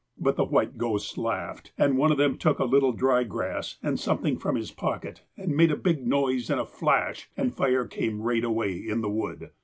But the white ghosts laughed, and one of them took a little dry grass, and something from his pocket, and made a big noise, and a flash, and fire came right away in the wood.